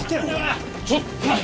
ちょっと！